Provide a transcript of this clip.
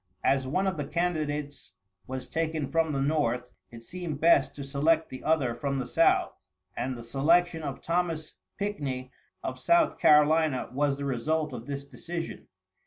As one of the candidates was taken from the North, it seemed best to select the other from the South, and the selection of Thomas Pickney, of South Carolina, was the result of this decision.